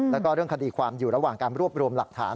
แล้วก็เรื่องคดีความอยู่ระหว่างการรวบรวมหลักฐาน